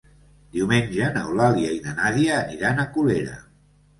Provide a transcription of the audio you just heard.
Diumenge n'Eulàlia i na Nàdia aniran a Colera.